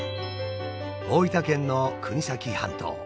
大分県の国東半島。